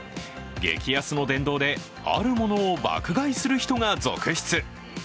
激安の殿堂であるものを爆買いする人が続出。